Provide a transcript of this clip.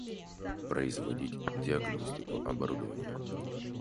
Производить диагностику оборудования